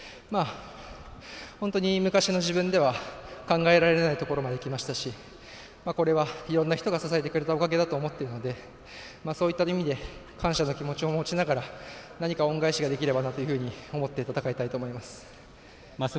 本当に昔の自分では考えられないところまできましたしこれはいろんな人が支えてくれたおかげだと思っているのでそういった意味で感謝の気持ちを持ちながら何か恩返しができればなと思って、戦いたいと思います。